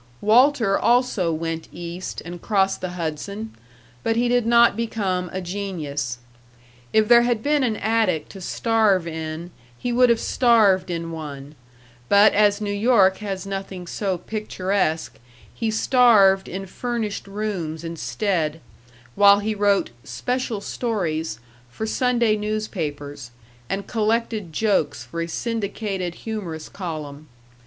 Walter also went East and crossed the Hudson, but he did not become a genius. If there had been an attic to starve in, he would have starved in one, but as New York has nothing so picturesque, he starved in furnished rooms instead, while he wrote "special stories" for Sunday newspapers, and collected jokes for a syndicated humorous column.